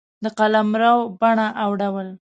د قلمرو بڼه او ډول